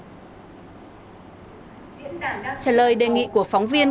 trả lời đề nghị của phóng viên